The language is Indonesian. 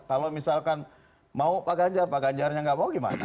kalau misalkan mau pak ganjar pak ganjarnya nggak mau gimana